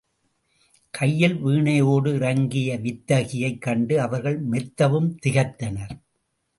கையில் வீணையோடு இறங்கிய வித்தகியைக் கண்டு அவர்கள் மெத்தவும் திகைத்தனர்.